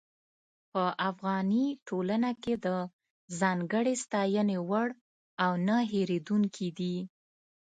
په افغاني ټولنه کې د ځانګړې ستاينې وړ او نۀ هېرېدونکي دي.